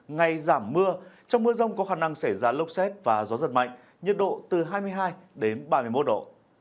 ngay giảm mưa trong mưa rông có khả năng xảy ra lốc xét và gió giật mạnh nhiệt độ từ hai mươi hai đến ba mươi một độ